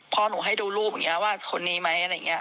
พ่อหนูให้ดูรูปว่าคนนี้ไหมอะไรอย่างนี้